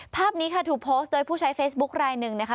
ภาพนี้ค่ะถูกโพสต์โดยผู้ใช้เฟซบุ๊คลายหนึ่งนะคะ